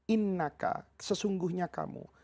innaka sesungguhnya kamu